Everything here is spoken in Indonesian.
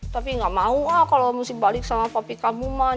tapi gak mau ah kalau mesti balik sama popi kamu mah